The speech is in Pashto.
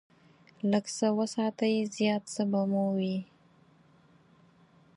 لږ څه وساتئ، زیات څه به مو وي.